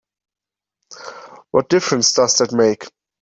What difference does that make?